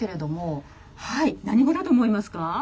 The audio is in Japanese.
何語だと思いますか？